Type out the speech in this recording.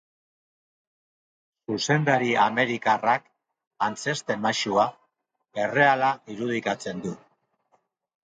Zuzendari amerikarrak, antzezten maisua, erreala irudikatzen du.